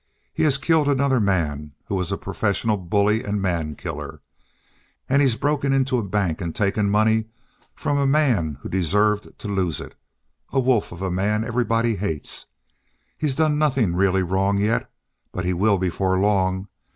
He has killed another man who was a professional bully and mankiller. And he's broken into a bank and taken money from a man who deserved to lose it a wolf of a man everybody hates. He's done nothing really wrong yet, but he will before long.